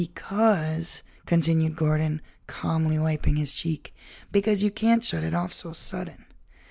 "Because," continued Gordon, calmly wiping his cheek, "because you can't shut it off so sudden."